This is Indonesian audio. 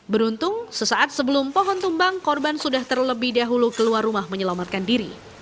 beruntung sesaat sebelum pohon tumbang korban sudah terlebih dahulu keluar rumah menyelamatkan diri